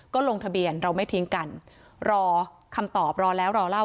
ก็ลงทะเบียนเราไม่ทิ้งกันรอคำตอบรอแล้วรอเล่า